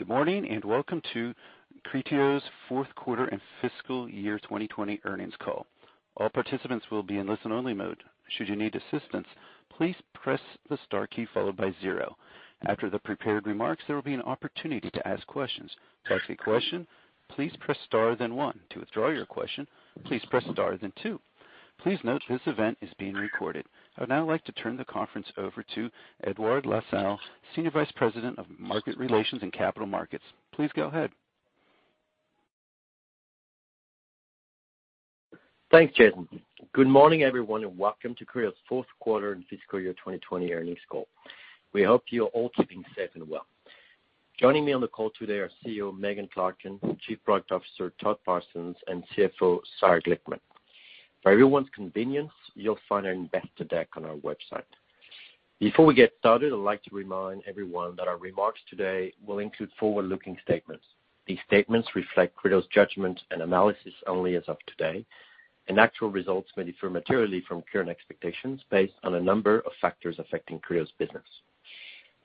Good morning and welcome to Criteo's fourth quarter and fiscal year 2020 earnings call. All participants will be in listen-only mode. Should you need assistance, please press the star key followed by zero. After the prepared remarks, there will be an opportunity to ask questions. To ask a question, please press star then one. To withdraw your question, please press star then two. Please note this event is being recorded. I would now like to turn the conference over to Edouard Lassalle, Senior Vice President of Market Relations and Capital Markets. Please go ahead. Thanks, Jason. Good morning, everyone, and welcome to Criteo's fourth quarter and fiscal year 2020 earnings call. We hope you're all keeping safe and well. Joining me on the call today are CEO Megan Clarken, Chief Product Officer Todd Parsons, and CFO Sarah Glickman. For everyone's convenience, you'll find our investor deck on our website. Before we get started, I'd like to remind everyone that our remarks today will include forward-looking statements. These statements reflect Criteo's judgment and analysis only as of today, and actual results may differ materially from current expectations based on a number of factors affecting Criteo's business.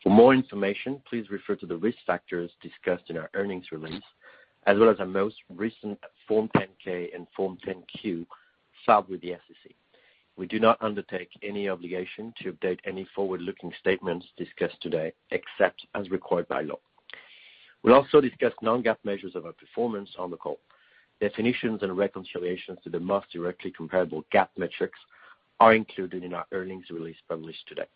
For more information, please refer to the risk factors discussed in our earnings release, as well as our most recent Form 10-K and Form 10-Q filed with the SEC. We do not undertake any obligation to update any forward-looking statements discussed today, except as required by law. We'll also discuss non-GAAP measures of our performance on the call. Definitions and reconciliations to the most directly comparable GAAP metrics are included in our earnings release published today.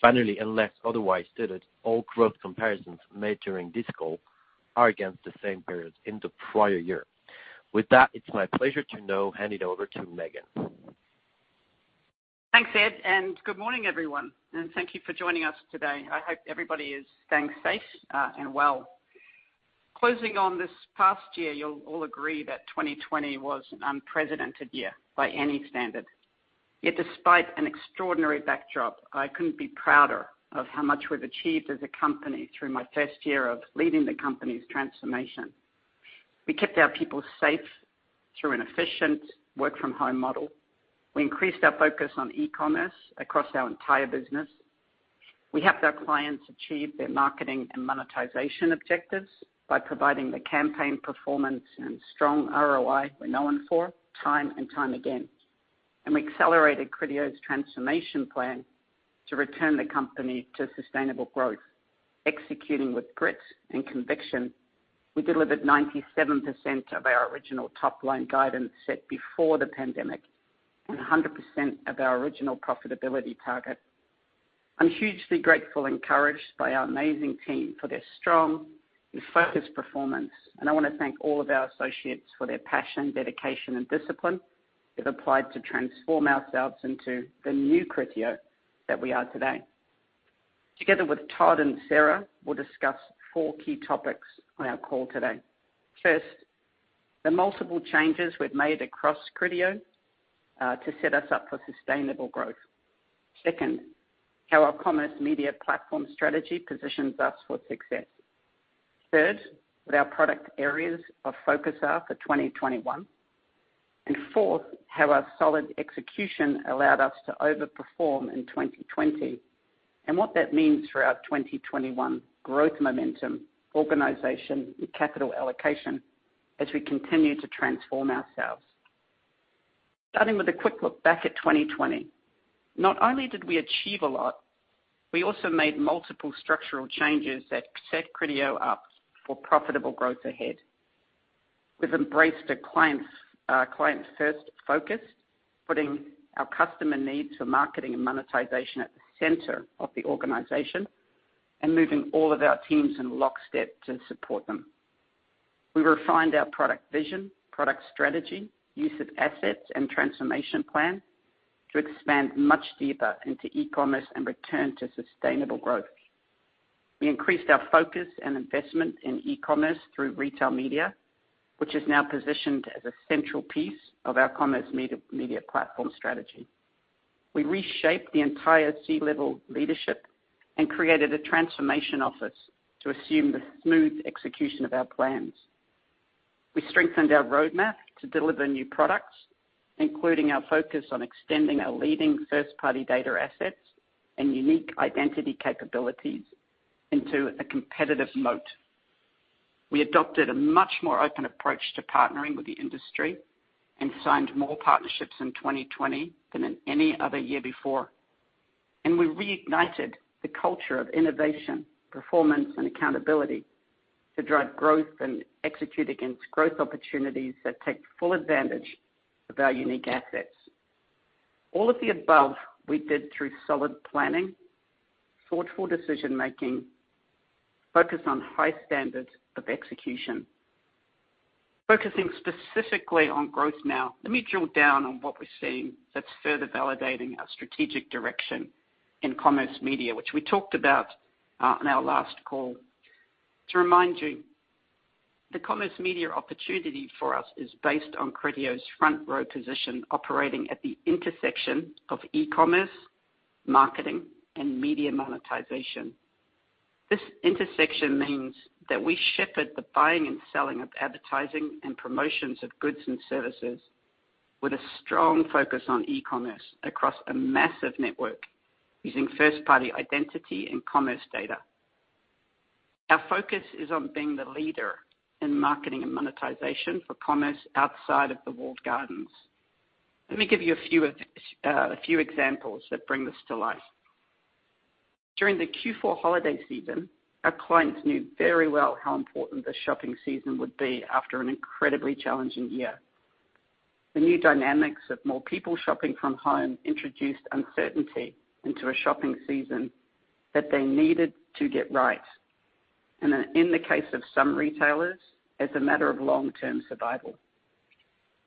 Finally, unless otherwise stated, all growth comparisons made during this call are against the same period in the prior year. With that, it's my pleasure to now hand it over to Megan. Thanks, Ed, and good morning, everyone, and thank you for joining us today. I hope everybody is staying safe and well. Closing on this past year, you'll all agree that 2020 was an unprecedented year by any standard. Yet, despite an extraordinary backdrop, I couldn't be prouder of how much we've achieved as a company through my first year of leading the company's transformation. We kept our people safe through an efficient work-from-home model. We increased our focus on e-commerce across our entire business. We helped our clients achieve their marketing and monetization objectives by providing the campaign performance and strong ROI we're known for time and time again. We accelerated Criteo's transformation plan to return the company to sustainable growth. Executing with grit and conviction, we delivered 97% of our original top-line guidance set before the pandemic and 100% of our original profitability target. I'm hugely grateful and encouraged by our amazing team for their strong and focused performance, and I want to thank all of our associates for their passion, dedication, and discipline they've applied to transform ourselves into the new Criteo that we are today. Together with Todd and Sarah, we'll discuss four key topics on our call today. First, the multiple changes we've made across Criteo to set us up for sustainable growth. Second, how our Commerce Media Platform strategy positions us for success. Third, what our product areas of focus are for 2021. Fourth, how our solid execution allowed us to overperform in 2020 and what that means for our 2021 growth momentum, organization, and capital allocation as we continue to transform ourselves. Starting with a quick look back at 2020, not only did we achieve a lot, we also made multiple structural changes that set Criteo up for profitable growth ahead. We've embraced a client-first focus, putting our customer needs for marketing and monetization at the center of the organization and moving all of our teams in lockstep to support them. We refined our product vision, product strategy, use of assets, and transformation plan to expand much deeper into e-commerce and return to sustainable growth. We increased our focus and investment in e-commerce through retail media, which is now positioned as a central piece of our Commerce Media Platform strategy. We reshaped the entire C-level leadership and created a transformation office to assume the smooth execution of our plans. We strengthened our roadmap to deliver new products, including our focus on extending our leading first-party data assets and unique identity capabilities into a competitive moat. We adopted a much more open approach to partnering with the industry and signed more partnerships in 2020 than in any other year before. We reignited the culture of innovation, performance, and accountability to drive growth and execute against growth opportunities that take full advantage of our unique assets. All of the above we did through solid planning, thoughtful decision-making, focus on high standards of execution. Focusing specifically on growth now, let me drill down on what we're seeing that's further validating our strategic direction in commerce media, which we talked about on our last call. To remind you, the commerce media opportunity for us is based on Criteo's front-row position operating at the intersection of e-commerce, marketing, and media monetization. This intersection means that we shepherd the buying and selling of advertising and promotions of goods and services with a strong focus on e-commerce across a massive network using first-party identity and commerce data. Our focus is on being the leader in marketing and monetization for commerce outside of the walled gardens. Let me give you a few examples that bring this to life. During the Q4 holiday season, our clients knew very well how important the shopping season would be after an incredibly challenging year. The new dynamics of more people shopping from home introduced uncertainty into a shopping season that they needed to get right, and in the case of some retailers, as a matter of long-term survival.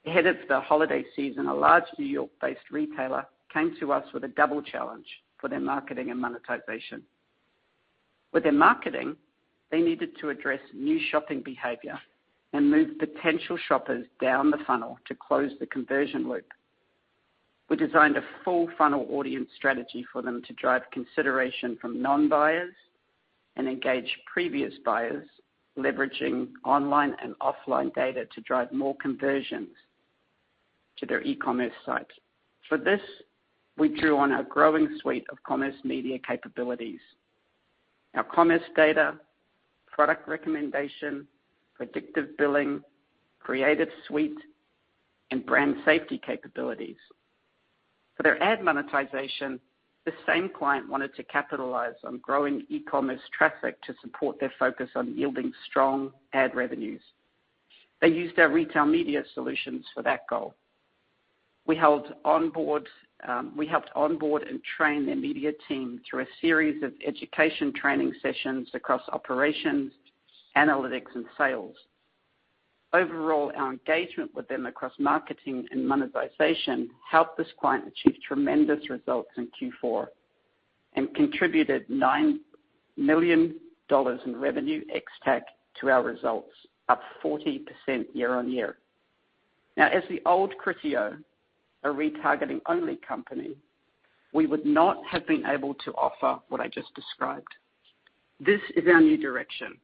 Ahead of the holiday season, a large New York-based retailer came to us with a double challenge for their marketing and monetization. With their marketing, they needed to address new shopping behavior and move potential shoppers down the funnel to close the conversion loop. We designed a full-funnel audience strategy for them to drive consideration from non-buyers and engage previous buyers, leveraging online and offline data to drive more conversions to their e-commerce site. For this, we drew on our growing suite of commerce media capabilities: our commerce data, product recommendation, predictive billing, creative suite, and brand safety capabilities. For their ad monetization, the same client wanted to capitalize on growing e-commerce traffic to support their focus on yielding strong ad revenues. They used our retail media solutions for that goal. We helped onboard and train their media team through a series of education training sessions across operations, analytics, and sales. Overall, our engagement with them across marketing and monetization helped this client achieve tremendous results in Q4 and contributed $9 million in revenue ex-tech to our results, up 40% year-on-year. Now, as the old Criteo, a retargeting-only company, we would not have been able to offer what I just described. This is our new direction.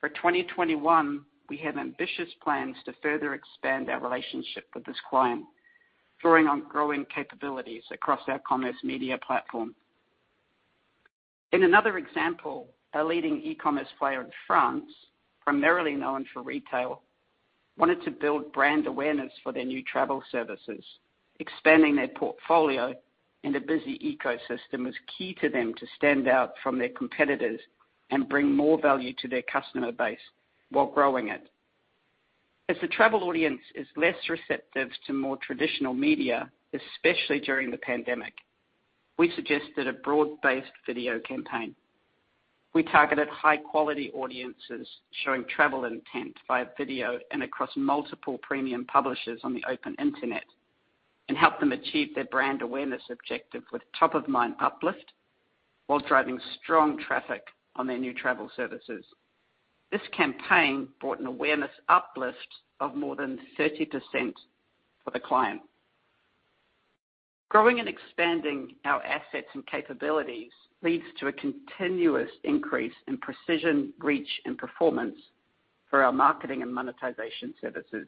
For 2021, we have ambitious plans to further expand our relationship with this client, drawing on growing capabilities across our Commerce Media Platform. In another example, a leading e-commerce player in France, primarily known for retail, wanted to build brand awareness for their new travel services. Expanding their portfolio and a busy ecosystem was key to them to stand out from their competitors and bring more value to their customer base while growing it. As the travel audience is less receptive to more traditional media, especially during the pandemic, we suggested a broad-based video campaign. We targeted high-quality audiences, showing travel intent via video and across multiple premium publishers on the open internet, and helped them achieve their brand awareness objective with top-of-mind uplift while driving strong traffic on their new travel services. This campaign brought an awareness uplift of more than 30% for the client. Growing and expanding our assets and capabilities leads to a continuous increase in precision, reach, and performance for our marketing and monetization services.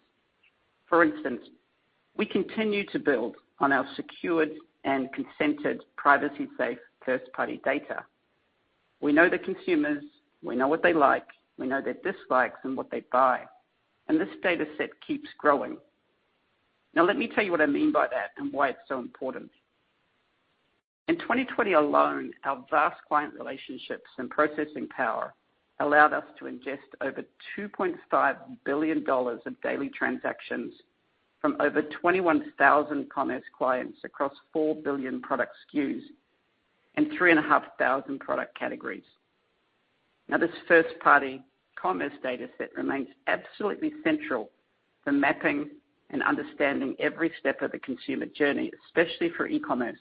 For instance, we continue to build on our secured and consented, privacy-safe first-party data. We know the consumers, we know what they like, we know their dislikes, and what they buy, and this data set keeps growing. Now, let me tell you what I mean by that and why it's so important. In 2020 alone, our vast client relationships and processing power allowed us to ingest over $2.5 billion of daily transactions from over 21,000 commerce clients across 4 billion product SKUs and 3,500 product categories. Now, this first-party commerce data set remains absolutely central for mapping and understanding every step of the consumer journey, especially for e-commerce.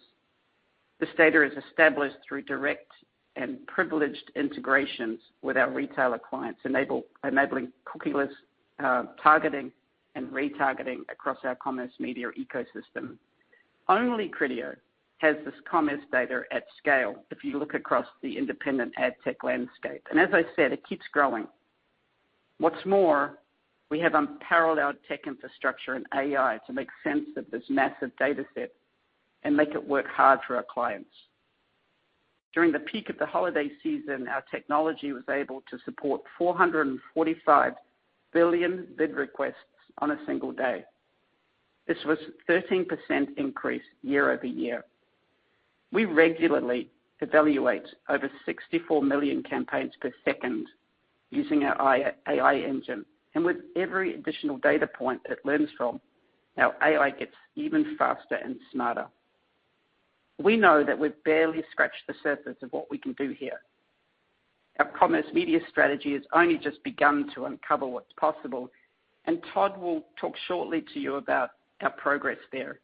This data is established through direct and privileged integrations with our retailer clients, enabling cookieless targeting and retargeting across our commerce media ecosystem. Only Criteo has this commerce data at scale if you look across the independent ad tech landscape, and as I said, it keeps growing. What's more, we have unparalleled tech infrastructure and AI to make sense of this massive data set and make it work hard for our clients. During the peak of the holiday season, our technology was able to support 445 billion bid requests on a single day. This was a 13% increase year-over-year. We regularly evaluate over 64 million campaigns per second using our AI Engine, and with every additional data point it learns from, our AI gets even faster and smarter. We know that we've barely scratched the surface of what we can do here. Our Commerce Media strategy has only just begun to uncover what's possible, and Todd will talk shortly to you about our progress there.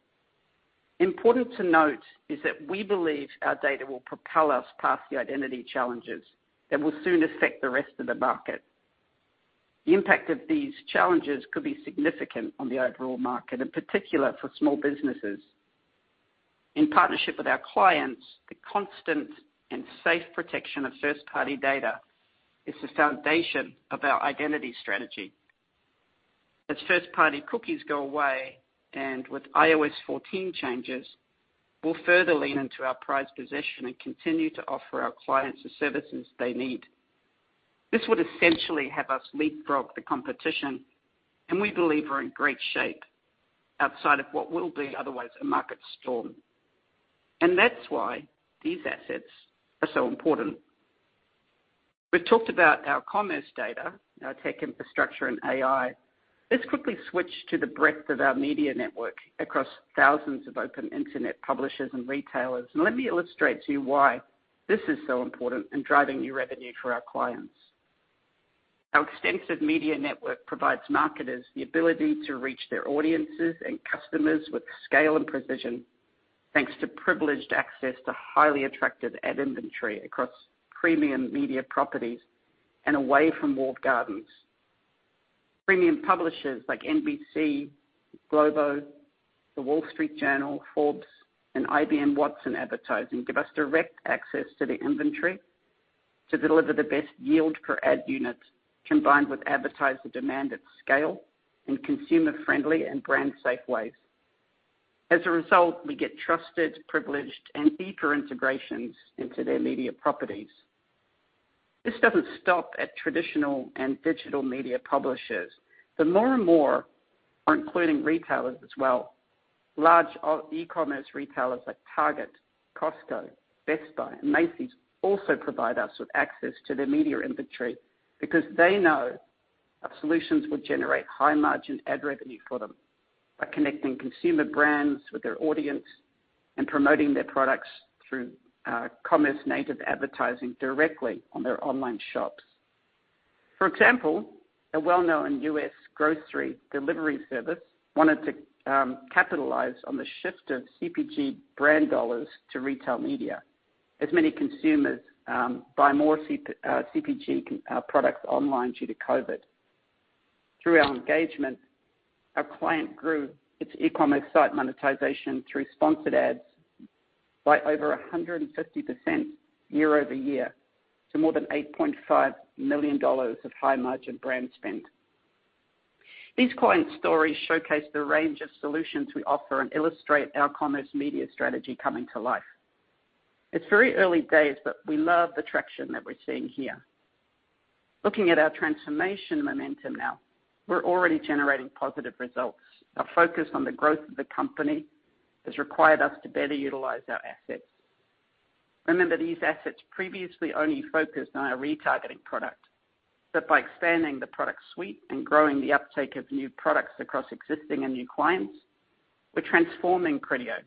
Important to note is that we believe our data will propel us past the identity challenges that will soon affect the rest of the market. The impact of these challenges could be significant on the overall market, in particular for small businesses. In partnership with our clients, the constant and safe protection of first-party data is the foundation of our identity strategy. As first-party cookies go away and with iOS 14 changes, we'll further lean into our prized possession and continue to offer our clients the services they need. This would essentially have us leapfrog the competition, and we believe we're in great shape outside of what will be otherwise a market storm. That is why these assets are so important. We've talked about our commerce data, our tech infrastructure, and AI. Let's quickly switch to the breadth of our media network across thousands of open internet publishers and retailers, and let me illustrate to you why this is so important in driving new revenue for our clients. Our extensive media network provides marketers the ability to reach their audiences and customers with scale and precision, thanks to privileged access to highly attractive ad inventory across premium media properties and away from walled gardens. Premium publishers like NBC, Globo, The Wall Street Journal, Forbes, and IBM Watson advertising give us direct access to the inventory to deliver the best yield per ad unit, combined with advertiser demand at scale in consumer-friendly and brand-safe ways. As a result, we get trusted, privileged, and deeper integrations into their media properties. This does not stop at traditional and digital media publishers. More and more are including retailers as well. Large e-commerce retailers like Target, Costco, Best Buy, and Macy's also provide us with access to their media inventory because they know our solutions will generate high-margin ad revenue for them by connecting consumer brands with their audience and promoting their products through commerce-native advertising directly on their online shops. For example, a well-known US grocery delivery service wanted to capitalize on the shift of CPG brand dollars to retail media, as many consumers buy more CPG products online due to COVID. Through our engagement, our client grew its e-commerce site monetization through sponsored ads by over 150% year-over-year to more than $8.5 million of high-margin brand spend. These client stories showcase the range of solutions we offer and illustrate our commerce media strategy coming to life. It's very early days, but we love the traction that we're seeing here. Looking at our transformation momentum now, we're already generating positive results. Our focus on the growth of the company has required us to better utilize our assets. Remember, these assets previously only focused on our retargeting product, but by expanding the product suite and growing the uptake of new products across existing and new clients, we're transforming Criteo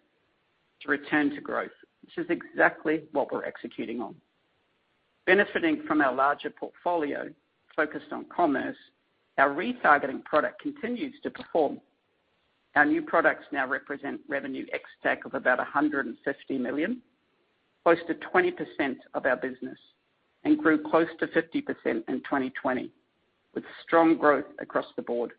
to return to growth, which is exactly what we're executing on. Benefiting from our larger portfolio focused on commerce, our retargeting product continues to perform. Our new products now represent revenue ex-tech of about $150 million, close to 20% of our business, and grew close to 50% in 2020, with strong growth across the board.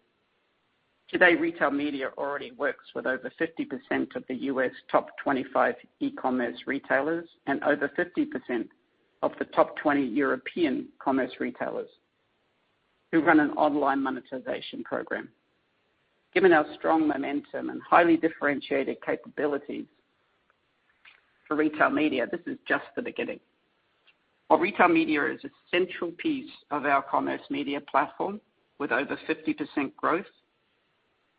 Today, retail media already works with over 50% of the U.S. top 25 e-commerce retailers and over 50% of the top 20 European commerce retailers who run an online monetization program. Given our strong momentum and highly differentiated capabilities for retail media, this is just the beginning. While retail media is a central piece of our Commerce Media Platform with over 50% growth,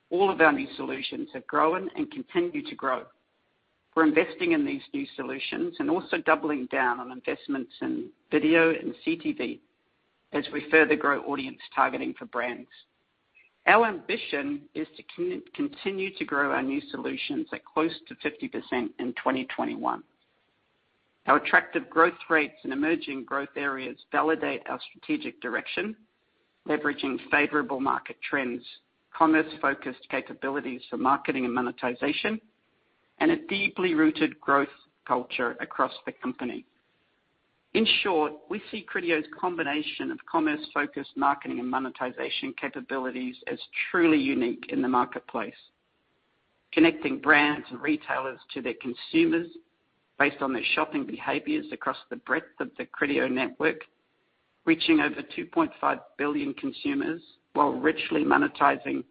all of our new solutions have grown and continue to grow. We're investing in these new solutions and also doubling down on investments in video and CTV as we further grow Audience Targeting for brands. Our ambition is to continue to grow our new solutions at close to 50% in 2021. Our attractive growth rates and emerging growth areas validate our strategic direction, leveraging favorable market trends, commerce-focused capabilities for marketing and monetization, and a deeply rooted growth culture across the company. In short, we see Criteo's combination of commerce-focused marketing and monetization capabilities as truly unique in the marketplace, connecting brands and retailers to their consumers based on their shopping behaviors across the breadth of the Criteo network, reaching over 2.5 billion consumers while richly monetizing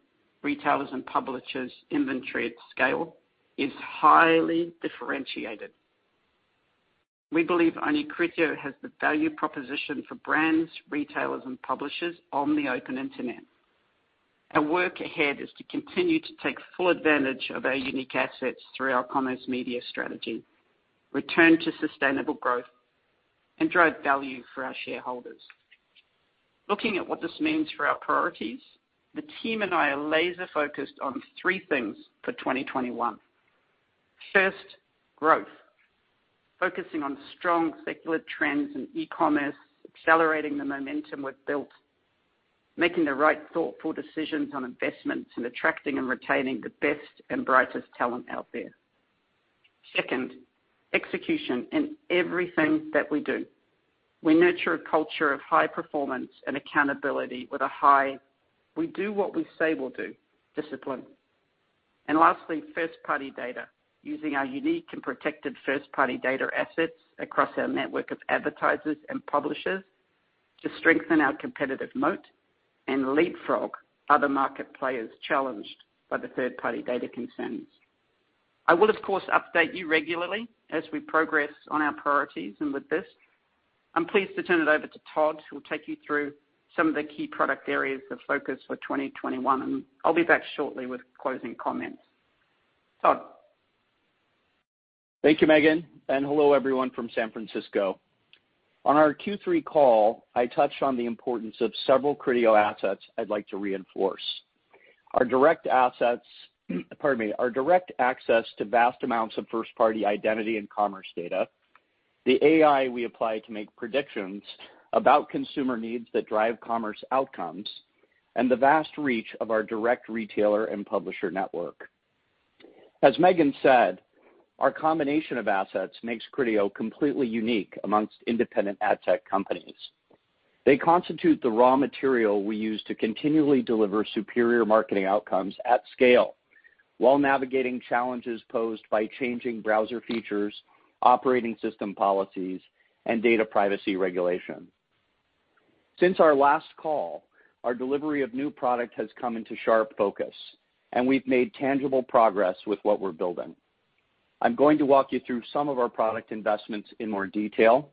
retailers and publishers' inventory at scale, is highly differentiated. We believe only Criteo has the value proposition for brands, retailers, and publishers on the open internet. Our work ahead is to continue to take full advantage of our unique assets through our commerce media strategy, return to sustainable growth, and drive value for our shareholders. Looking at what this means for our priorities, the team and I are laser-focused on three things for 2021. First, growth, focusing on strong circular trends in e-commerce, accelerating the momentum we've built, making the right thoughtful decisions on investments, and attracting and retaining the best and brightest talent out there. Second, execution in everything that we do. We nurture a culture of high performance and accountability with a high "we do what we say we'll do" discipline. Lastly, first-party data, using our unique and protected first-party data assets across our network of advertisers and publishers to strengthen our competitive moat and leapfrog other market players challenged by the third-party data concerns. I will, of course, update you regularly as we progress on our priorities, and with this, I'm pleased to turn it over to Todd, who will take you through some of the key product areas of focus for 2021, and I'll be back shortly with closing comments. Todd. Thank you, Megan, and hello everyone from San Francisco. On our Q3 call, I touched on the importance of several Criteo assets I'd like to reinforce. Our direct access to vast amounts of first-party identity and commerce data, the AI we apply to make predictions about consumer needs that drive commerce outcomes, and the vast reach of our direct retailer and publisher network. As Megan said, our combination of assets makes Criteo completely unique amongst independent ad tech companies. They constitute the raw material we use to continually deliver superior marketing outcomes at scale while navigating challenges posed by changing browser features, operating system policies, and data privacy regulation. Since our last call, our delivery of new product has come into sharp focus, and we've made tangible progress with what we're building. I'm going to walk you through some of our product investments in more detail,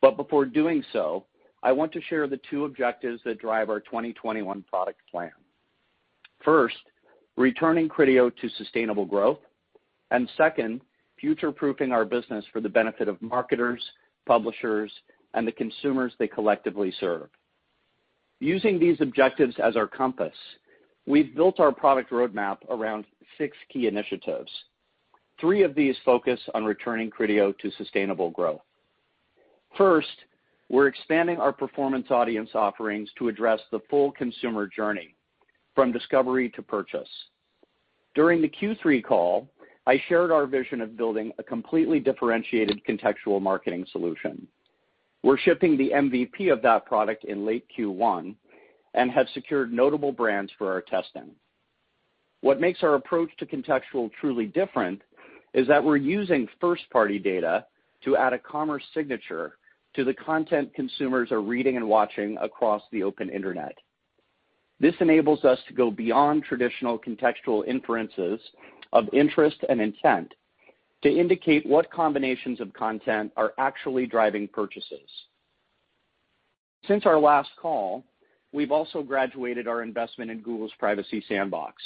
but before doing so, I want to share the two objectives that drive our 2021 product plan. First, returning Criteo to sustainable growth, and second, future-proofing our business for the benefit of marketers, publishers, and the consumers they collectively serve. Using these objectives as our compass, we've built our product roadmap around six key initiatives. Three of these focus on returning Criteo to sustainable growth. First, we're expanding our performance audience offerings to address the full consumer journey from discovery to purchase. During the Q3 call, I shared our vision of building a completely differentiated contextual marketing solution. We're shipping the MVP of that product in late Q1 and have secured notable brands for our testing. What makes our approach to contextual truly different is that we're using first-party data to add a commerce signature to the content consumers are reading and watching across the open internet. This enables us to go beyond traditional contextual inferences of interest and intent to indicate what combinations of content are actually driving purchases. Since our last call, we've also graduated our investment in Google's privacy sandbox,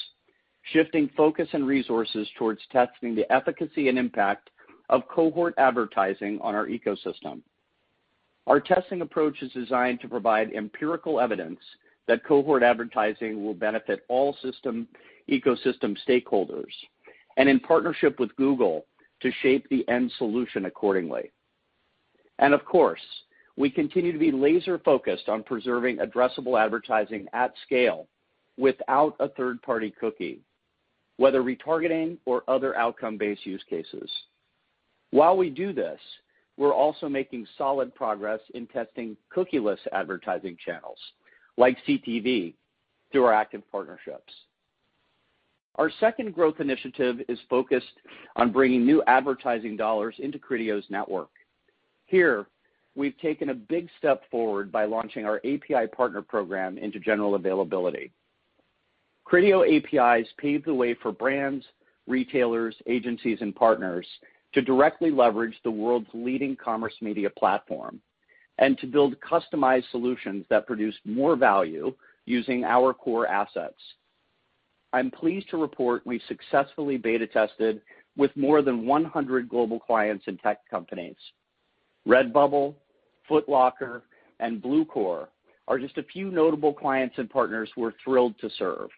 shifting focus and resources towards testing the efficacy and impact of cohort advertising on our ecosystem. Our testing approach is designed to provide empirical evidence that cohort advertising will benefit all system ecosystem stakeholders and in partnership with Google to shape the end solution accordingly. Of course, we continue to be laser-focused on preserving addressable advertising at scale without a third-party cookie, whether retargeting or other outcome-based use cases. While we do this, we're also making solid progress in testing cookieless advertising channels like CTV through our active partnerships. Our second growth initiative is focused on bringing new advertising dollars into Criteo's network. Here, we've taken a big step forward by launching our API partner program into general availability. Criteo APIs pave the way for brands, retailers, agencies, and partners to directly leverage the world's leading commerce media platform and to build customized solutions that produce more value using our core assets. I'm pleased to report we've successfully beta tested with more than 100 global clients and tech companies. Redbubble, Foot Locker, and Bluecore are just a few notable clients and partners we're thrilled to serve.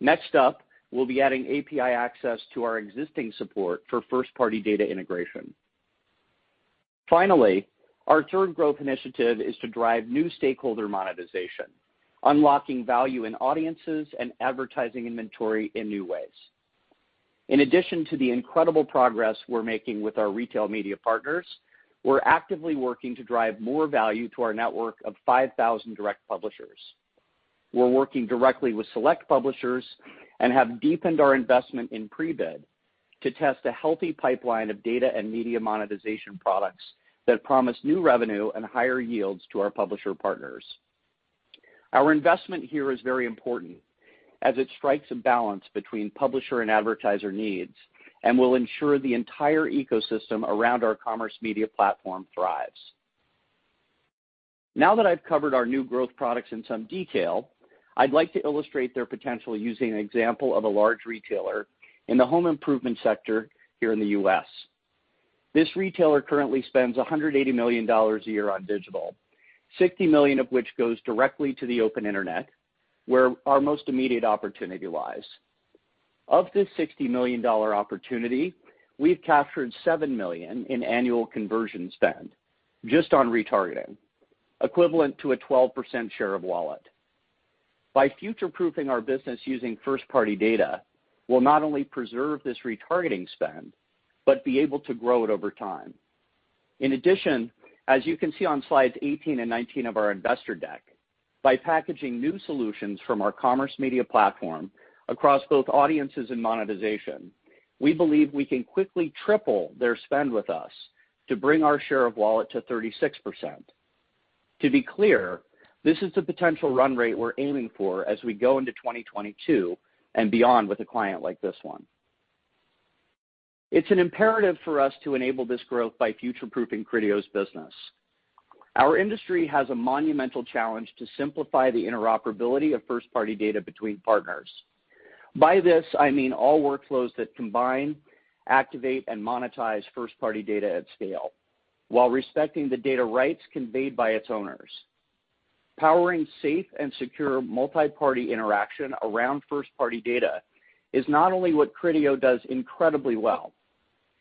Next up, we'll be adding API access to our existing support for first-party data integration. Finally, our third growth initiative is to drive new stakeholder monetization, unlocking value in audiences and advertising inventory in new ways. In addition to the incredible progress we're making with our retail media partners, we're actively working to drive more value to our network of 5,000 direct publishers. We're working directly with select publishers and have deepened our investment in pre-bid to test a healthy pipeline of data and media monetization products that promise new revenue and higher yields to our publisher partners. Our investment here is very important as it strikes a balance between publisher and advertiser needs and will ensure the entire ecosystem around our Commerce Media Platform thrives. Now that I've covered our new growth products in some detail, I'd like to illustrate their potential using an example of a large retailer in the home improvement sector here in the U.S. This retailer currently spends $180 million a year on digital, $60 million of which goes directly to the open internet, where our most immediate opportunity lies. Of this $60 million opportunity, we've captured $7 million in annual conversion spend just on retargeting, equivalent to a 12% share of wallet. By future-proofing our business using first-party data, we'll not only preserve this retargeting spend but be able to grow it over time. In addition, as you can see on slides 18 and 19 of our investor deck, by packaging new solutions from our Commerce Media Platform across both audiences and monetization, we believe we can quickly triple their spend with us to bring our share of wallet to 36%. To be clear, this is the potential run rate we're aiming for as we go into 2022 and beyond with a client like this one. It's an imperative for us to enable this growth by future-proofing Criteo's business. Our industry has a monumental challenge to simplify the interoperability of first-party data between partners. By this, I mean all workflows that combine, activate, and monetize first-party data at scale while respecting the data rights conveyed by its owners. Powering safe and secure multi-party interaction around first-party data is not only what Criteo does incredibly well,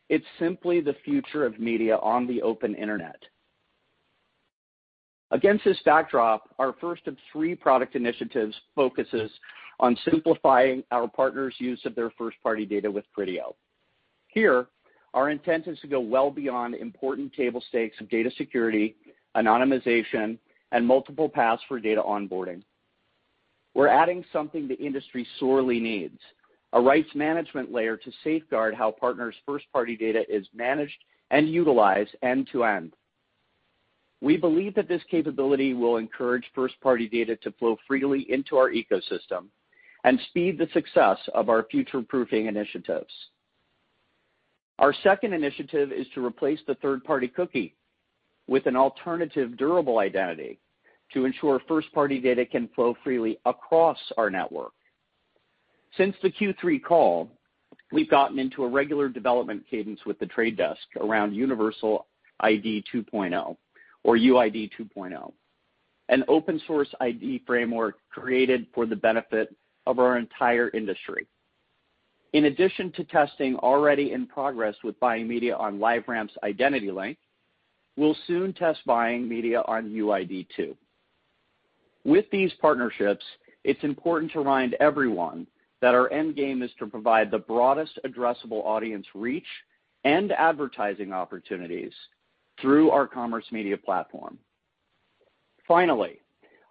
it's simply the future of media on the open internet. Against this backdrop, our first of three product initiatives focuses on simplifying our partners' use of their first-party data with Criteo. Here, our intent is to go well beyond important table stakes of data security, anonymization, and multiple paths for data onboarding. We're adding something the industry sorely needs: a rights management layer to safeguard how partners' first-party data is managed and utilized end-to-end. We believe that this capability will encourage first-party data to flow freely into our ecosystem and speed the success of our future-proofing initiatives. Our second initiative is to replace the third-party cookie with an alternative durable identity to ensure first-party data can flow freely across our network. Since the Q3 call, we've gotten into a regular development cadence with The Trade Desk around Universal ID 2.0, or UID 2.0, an open-source ID framework created for the benefit of our entire industry. In addition to testing already in progress with buying media on LiveRamp's Identity Link, we'll soon test buying media on UID 2. With these partnerships, it's important to remind everyone that our end game is to provide the broadest addressable audience reach and advertising opportunities through our Commerce Media Platform. Finally,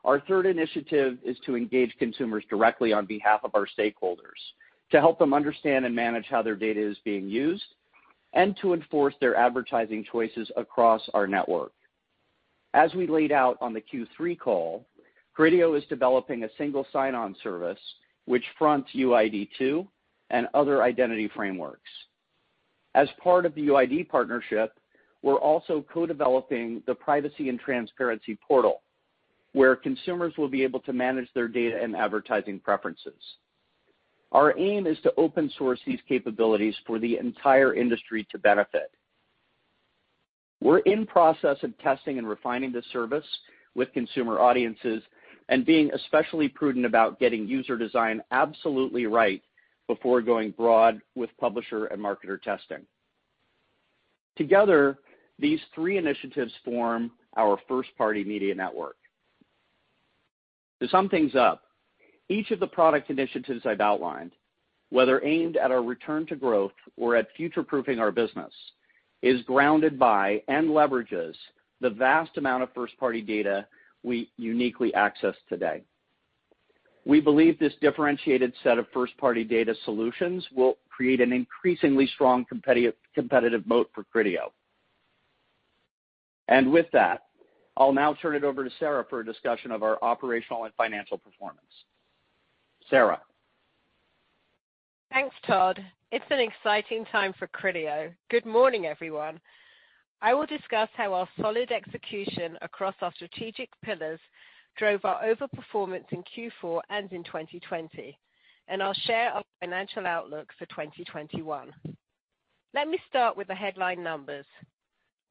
our third initiative is to engage consumers directly on behalf of our stakeholders to help them understand and manage how their data is being used and to enforce their advertising choices across our network. As we laid out on the Q3 call, Criteo is developing a single sign-on service which fronts UID 2 and other identity frameworks. As part of the UID partnership, we're also co-developing the privacy and transparency portal where consumers will be able to manage their data and advertising preferences. Our aim is to open-source these capabilities for the entire industry to benefit. We're in the process of testing and refining the service with consumer audiences and being especially prudent about getting user design absolutely right before going broad with publisher and marketer testing. Together, these three initiatives form our first-party media network. To sum things up, each of the product initiatives I've outlined, whether aimed at our return to growth or at future-proofing our business, is grounded by and leverages the vast amount of first-party data we uniquely access today. We believe this differentiated set of first-party data solutions will create an increasingly strong competitive moat for Criteo. With that, I'll now turn it over to Sarah for a discussion of our operational and financial performance. Sarah. Thanks, Todd. It's an exciting time for Criteo. Good morning, everyone. I will discuss how our solid execution across our strategic pillars drove our overperformance in Q4 and in 2020, and I'll share our financial outlook for 2021. Let me start with the headline numbers.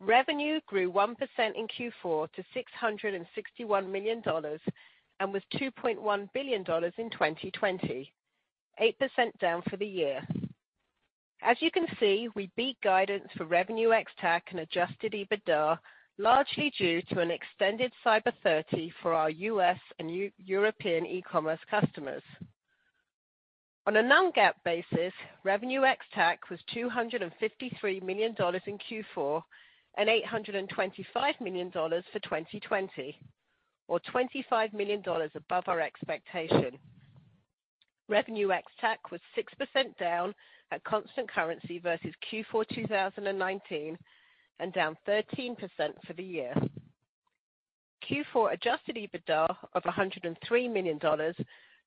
Revenue grew 1% in Q4 to $661 million and was $2.1 billion in 2020, 8% down for the year. As you can see, we beat guidance for revenue ex tax and adjusted EBITDA, largely due to an extended Cyber 30 for our U.S. and European e-commerce customers. On a non-GAAP basis, revenue ex tax was $253 million in Q4 and $825 million for 2020, or $25 million above our expectation. Revenue ex tax was 6% down at constant currency versus Q4 2019 and down 13% for the year. Q4 adjusted EBITDA of $103 million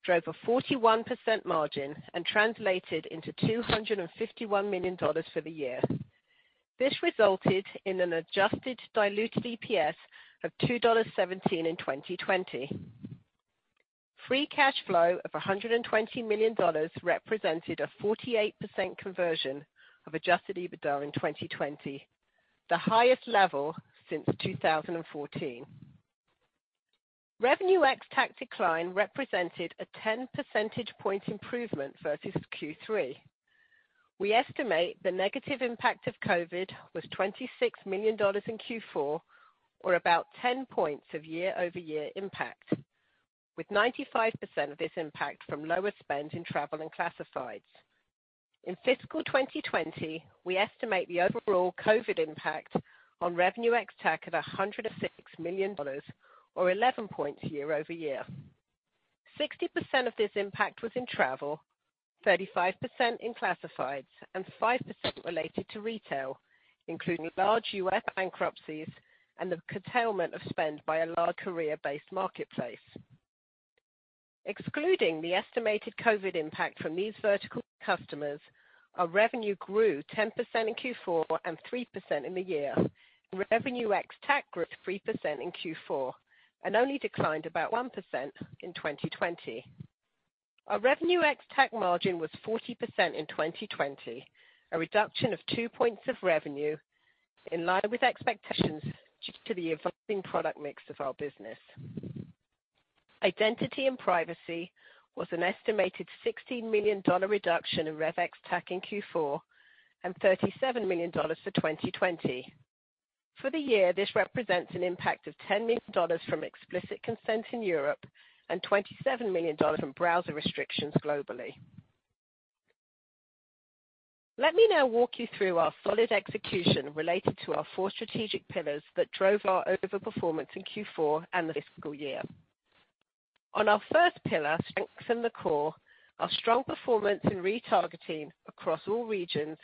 drove a 41% margin and translated into $251 million for the year. This resulted in an adjusted diluted EPS of $2.17 in 2020. Free cash flow of $120 million represented a 48% conversion of adjusted EBITDA in 2020, the highest level since 2014. Revenue ex tax decline represented a 10 percentage points improvement versus Q3. We estimate the negative impact of COVID was $26 million in Q4, or about 10 points of year-over-year impact, with 95% of this impact from lower spend in travel and classifieds. In fiscal 2020, we estimate the overall COVID impact on revenue ex tax at $106 million, or 11 points year-over-year. 60% of this impact was in travel, 35% in classifieds, and 5% related to retail, including large U.S. bankruptcies and the curtailment of spend by a large Korea-based marketplace. Excluding the estimated COVID impact from these vertical customers, our revenue grew 10% in Q4 and 3% in the year. Revenue ex tax grew 3% in Q4 and only declined about 1% in 2020. Our revenue ex tax margin was 40% in 2020, a reduction of 2 points of revenue in line with expectations due to the evolving product mix of our business. Identity and privacy was an estimated $16 million reduction in revenue ex tax in Q4 and $37 million for 2020. For the year, this represents an impact of $10 million from explicit consent in Europe and $27 million from browser restrictions globally. Let me now walk you through our solid execution related to our four strategic pillars that drove our overperformance in Q4 and the fiscal year. On our first pillar, strength in the core, our strong performance in retargeting across all regions,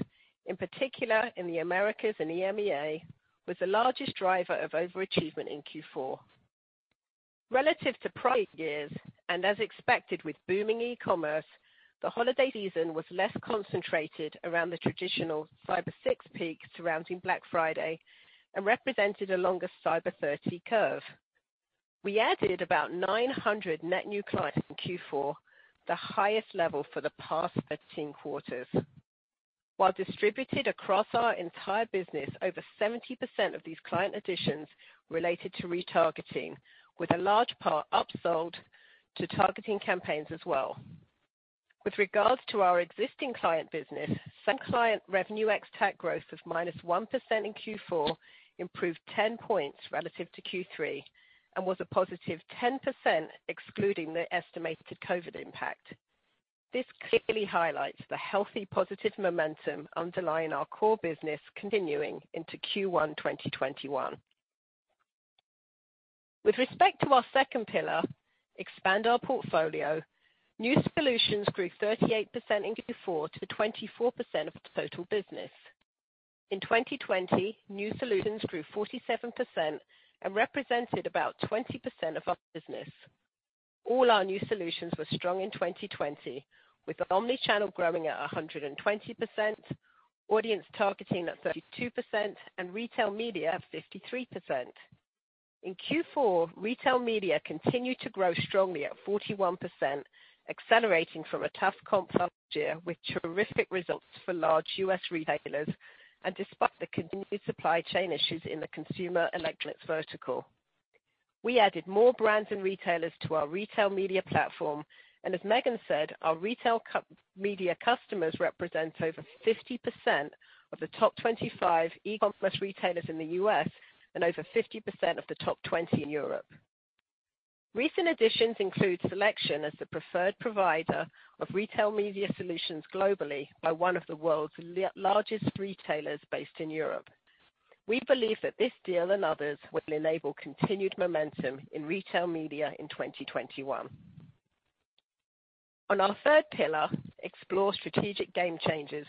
in particular in the Americas and EMEA, was the largest driver of overachievement in Q4. Relative to prior years and as expected with booming e-commerce, the holiday season was less concentrated around the traditional Cyber six peak surrounding Black Friday and represented a longer Cyber 30 curve. We added about 900 net new clients in Q4, the highest level for the past 13 quarters. While distributed across our entire business, over 70% of these client additions related to retargeting, with a large part upsold to targeting campaigns as well. With regards to our existing client business, some client revenue ex tax growth of -1% in Q4 improved 10 points relative to Q3 and was a positive 10% excluding the estimated COVID impact. This clearly highlights the healthy positive momentum underlying our core business continuing into Q1 2021. With respect to our second pillar, expand our portfolio, new solutions grew 38% in Q4 to 24% of total business. In 2020, new solutions grew 47% and represented about 20% of our business. All our new solutions were strong in 2020, with Omnichannel growing at 120%, Audience Targeting at 32%, and Retail Media at 53%. In Q4, Retail Media continued to grow strongly at 41%, accelerating from a tough complex year with terrific results for large U.S. retailers and despite the continued supply chain issues in the consumer electronics vertical. We added more brands and retailers to our Retail Media platform, and as Megan said, our Retail Media customers represent over 50% of the top 25 e-commerce retailers in the U.S. and over 50% of the top 20 in Europe. Recent additions include Selection as the preferred provider of retail media solutions globally by one of the world's largest retailers based in Europe. We believe that this deal and others will enable continued momentum in retail media in 2021. On our third pillar, explore strategic game changes,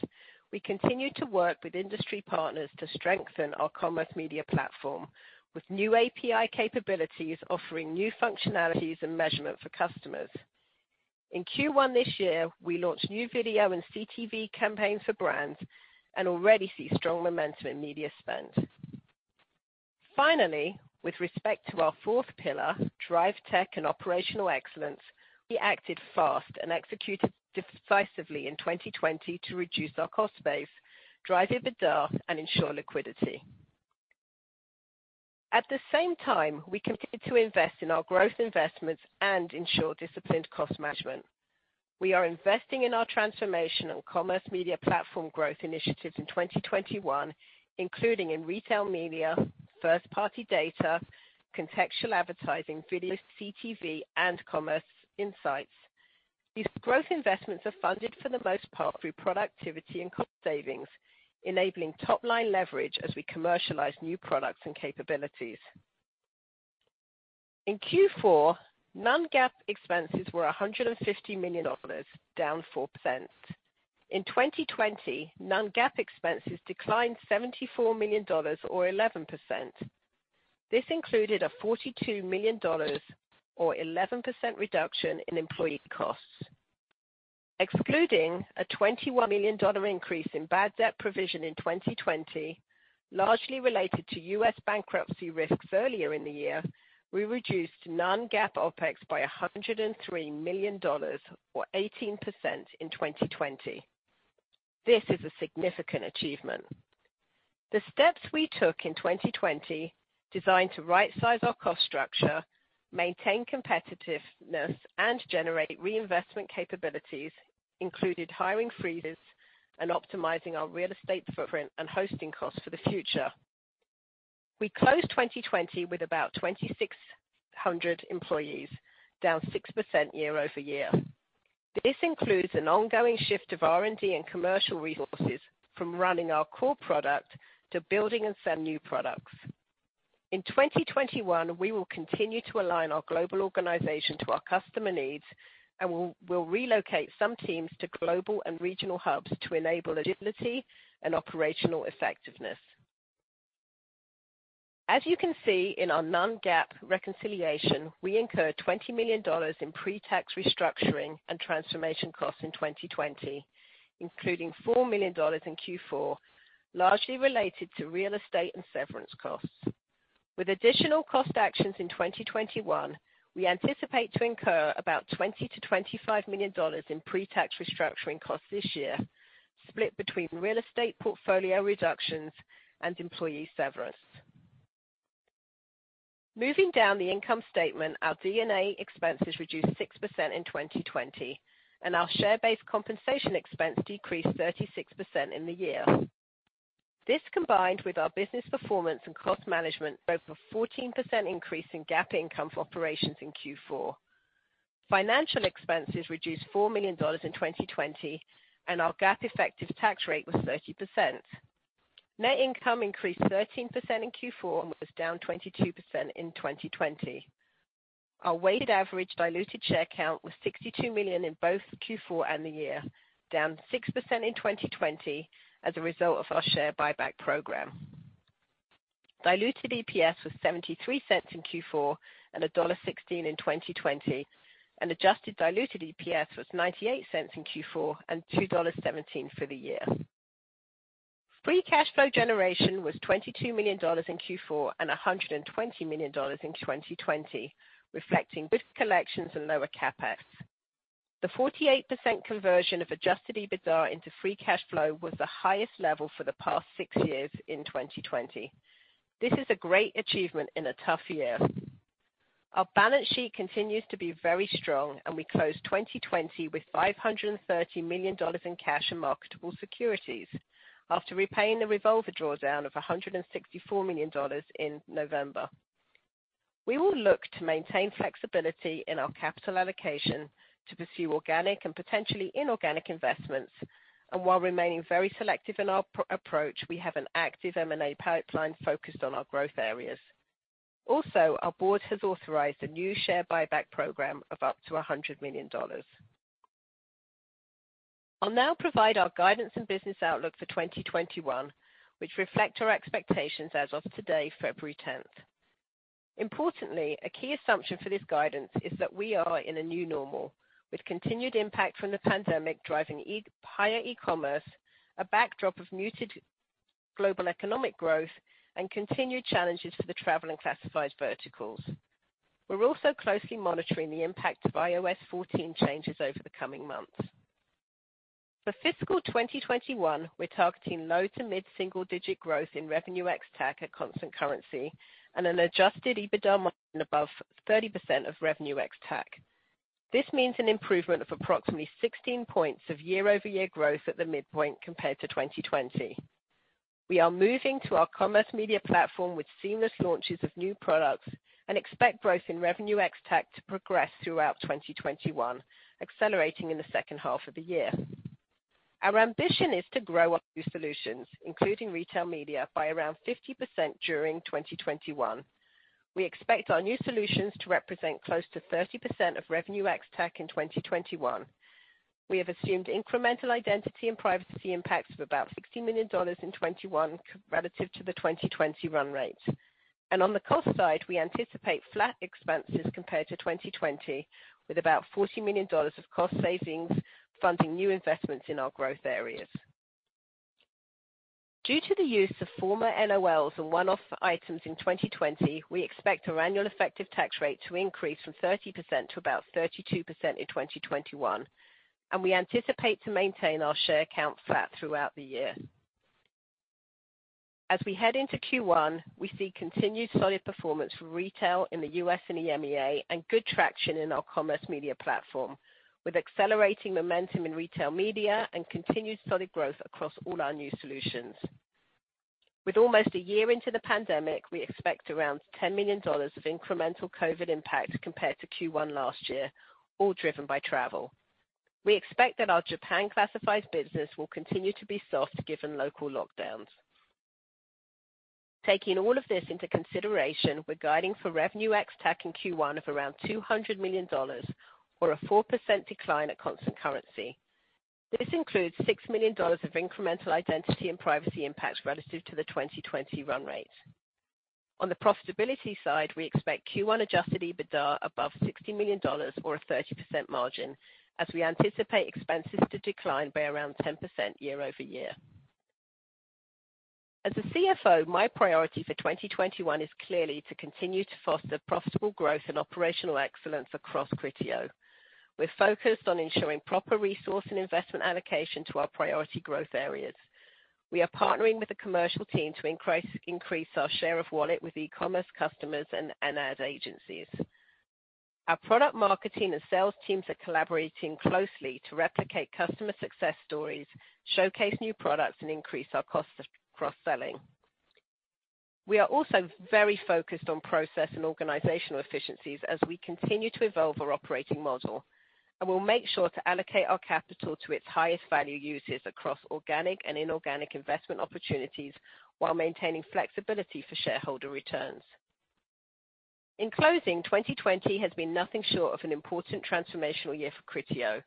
we continue to work with industry partners to strengthen our Commerce Media Platform with new API capabilities offering new functionalities and measurement for customers. In Q1 this year, we launched new video and CTV campaigns for brands and already see strong momentum in media spend. Finally, with respect to our fourth pillar, drive tech and operational excellence, we acted fast and executed decisively in 2020 to reduce our cost base, drive EBITDA, and ensure liquidity. At the same time, we continue to invest in our growth investments and ensure disciplined cost management. We are investing in our transformation and Commerce Media Platform growth initiatives in 2021, including in Retail Media, first-party data, contextual advertising, video, CTV, and commerce insights. These growth investments are funded for the most part through productivity and cost savings, enabling top-line leverage as we commercialize new products and capabilities. In Q4, non-GAAP expenses were $150 million, down 4%. In 2020, non-GAAP expenses declined $74 million, or 11%. This included a $42 million, or 11% reduction in employee costs. Excluding a $21 million increase in bad debt provision in 2020, largely related to U.S. bankruptcy risks earlier in the year, we reduced non-GAAP OpEx by $103 million, or 18% in 2020. This is a significant achievement. The steps we took in 2020, designed to right-size our cost structure, maintain competitiveness, and generate reinvestment capabilities, included hiring freezes and optimizing our real estate footprint and hosting costs for the future. We closed 2020 with about 2,600 employees, down 6% year-over-year. This includes an ongoing shift of R&D and commercial resources from running our core product to building and selling new products. In 2021, we will continue to align our global organization to our customer needs and will relocate some teams to global and regional hubs to enable agility and operational effectiveness. As you can see in our non-GAAP reconciliation, we incurred $20 million in pre-tax restructuring and transformation costs in 2020, including $4 million in Q4, largely related to real estate and severance costs. With additional cost actions in 2021, we anticipate to incur about $20 million-$25 million in pre-tax restructuring costs this year, split between real estate portfolio reductions and employee severance. Moving down the income statement, our D&A expenses reduced 6% in 2020, and our share-based compensation expense decreased 36% in the year. This combined with our business performance and cost management drove a 14% increase in GAAP income for operations in Q4. Financial expenses reduced $4 million in 2020, and our GAAP effective tax rate was 30%. Net income increased 13% in Q4 and was down 22% in 2020. Our weighted average diluted share count was 62 million in both Q4 and the year, down 6% in 2020 as a result of our share buyback program. Diluted EPS was $0.73 in Q4 and $1.16 in 2020, and adjusted diluted EPS was $0.98 in Q4 and $2.17 for the year. Free cash flow generation was $22 million in Q4 and $120 million in 2020, reflecting good collections and lower CapEx. The 48% conversion of adjusted EBITDA into free cash flow was the highest level for the past six years in 2020. This is a great achievement in a tough year. Our balance sheet continues to be very strong, and we closed 2020 with $530 million in cash and marketable securities after repaying the revolver drawdown of $164 million in November. We will look to maintain flexibility in our capital allocation to pursue organic and potentially inorganic investments, and while remaining very selective in our approach, we have an active M&A pipeline focused on our growth areas. Also, our board has authorized a new share buyback program of up to $100 million. I'll now provide our guidance and business outlook for 2021, which reflect our expectations as of today, February 10th. Importantly, a key assumption for this guidance is that we are in a new normal, with continued impact from the pandemic driving higher e-commerce, a backdrop of muted global economic growth, and continued challenges for the travel and classified verticals. We're also closely monitoring the impact of iOS 14 changes over the coming months. For fiscal 2021, we're targeting low to mid-single-digit growth in revenue ex tax at constant currency and an adjusted EBITDA margin above 30% of revenue ex tax. This means an improvement of approximately 16 points of year-over-year growth at the midpoint compared to 2020. We are moving to our Commerce Media Platform with seamless launches of new products and expect growth in revenue ex tax to progress throughout 2021, accelerating in the second half of the year. Our ambition is to grow our new solutions, including Retail Media, by around 50% during 2021. We expect our new solutions to represent close to 30% of revenue ex tax in 2021. We have assumed incremental identity and privacy impacts of about $60 million in 2021 relative to the 2020 run rate. On the cost side, we anticipate flat expenses compared to 2020, with about $40 million of cost savings funding new investments in our growth areas. Due to the use of former NOLs and one-off items in 2020, we expect our annual effective tax rate to increase from 30% to about 32% in 2021, and we anticipate to maintain our share count flat throughout the year. As we head into Q1, we see continued solid performance for retail in the U.S. and EMEA and good traction in our Commerce Media Platform, with accelerating momentum in Retail Media and continued solid growth across all our new solutions. With almost a year into the pandemic, we expect around $10 million of incremental COVID impacts compared to Q1 last year, all driven by travel. We expect that our Japan classifieds business will continue to be soft given local lockdowns. Taking all of this into consideration, we're guiding for revenue ex tax in Q1 of around $200 million, or a 4% decline at constant currency. This includes $6 million of incremental identity and privacy impacts relative to the 2020 run rate. On the profitability side, we expect Q1 adjusted EBITDA above $60 million, or a 30% margin, as we anticipate expenses to decline by around 10% year-over-year. As a CFO, my priority for 2021 is clearly to continue to foster profitable growth and operational excellence across Criteo. We're focused on ensuring proper resource and investment allocation to our priority growth areas. We are partnering with the commercial team to increase our share of wallet with e-commerce customers and ad agencies. Our product marketing and sales teams are collaborating closely to replicate customer success stories, showcase new products, and increase our costs of cross-selling. We are also very focused on process and organizational efficiencies as we continue to evolve our operating model, and we'll make sure to allocate our capital to its highest value uses across organic and inorganic investment opportunities while maintaining flexibility for shareholder returns. In closing, 2020 has been nothing short of an important transformational year for Criteo.